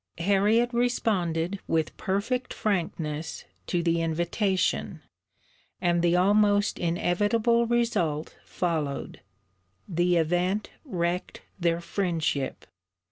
Harriet responded with perfect frankness to the invitation; and the almost inevitable result followed. The event wrecked their friendship.